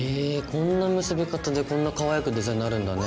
こんな結び方でこんなかわいくデザインなるんだね。